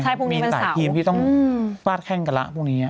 ใช่พรุ่งนี้เป็นเสาร์อืมพี่ต้องปลาดแข่งกระระพรุ่งนี้